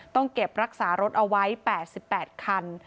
ต้องเก็บรักษารถเอาไว้๘๘คัน